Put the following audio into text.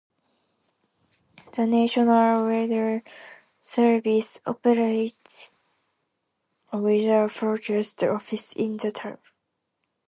The National Weather Service operates a Weather Forecast Office in the town.